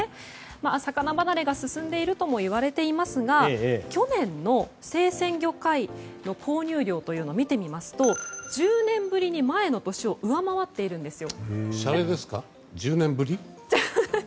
魚離れが進んでいるともいわれていますが去年の生鮮魚介の購入量を見てみますと１０年ぶりに前の年を上回っているんですよ。